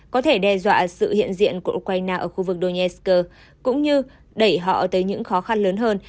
có thể đe dọa sự hiện diện của ukraine ở khu vực donesker cũng như đẩy họ tới những khó khăn lớn hơn